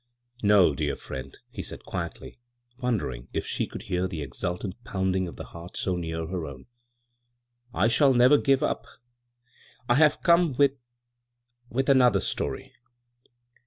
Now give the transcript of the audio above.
" No, dear friend," he said quiedy, won dering if she could hear the exultant pounding of the heart so near her own. " I shall never give up. I have come with — with another story."